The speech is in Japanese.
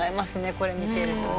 これ見てるとね。